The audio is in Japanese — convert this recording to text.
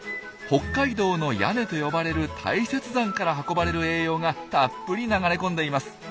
北海道の屋根と呼ばれる大雪山から運ばれる栄養がたっぷり流れ込んでいます。